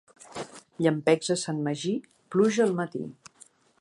Llampecs a Sant Magí, pluja al matí.